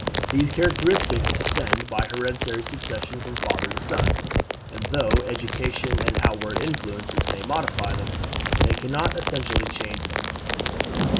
These characteristics descend by hereditary succession from father to son, and though education and outward influences may modify them, they can not essentially change them.